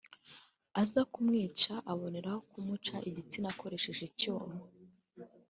aza kumwica anaboneraho kumuca igitsina akoresheje icyuma